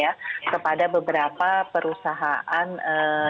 jadi kita juga tidak bisa mengatakan alokasi untuk indonesia